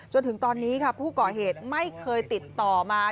จนถึงตอนนี้ค่ะผู้ก่อเหตุไม่เคยติดต่อมา